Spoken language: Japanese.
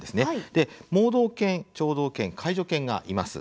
盲導犬、聴導犬、介助犬がいます。